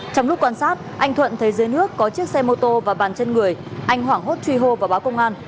trong lúc quan sát anh thuận thấy dưới nước có chiếc xe mô tô và bàn chân người anh hoảng hốt truy hô và báo công an